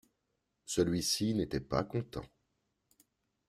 Celui-ci n’était pas content.